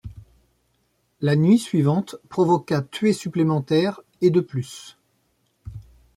La nuit suivante provoqua tués supplémentaires et de plus.